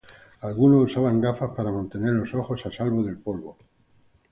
Algunos usaban gafas para mantener los ojos a salvo del polvo.